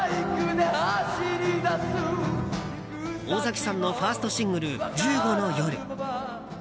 尾崎さんのファーストシングル「１５の夜」。